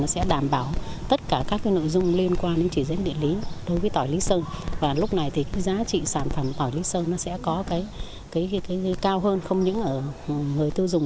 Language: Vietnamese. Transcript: sẽ đảm bảo quyền lợi cho người tư dùng